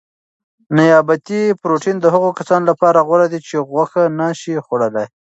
نباتي پروټین د هغو کسانو لپاره غوره دی چې غوښه نه شي خوړلای.